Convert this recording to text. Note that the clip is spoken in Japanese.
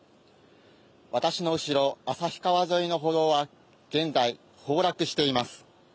私の後ろ、旭川沿いの歩道は現在、崩落しています。